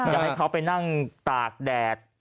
อยากให้เขาไปนั่งตากแดด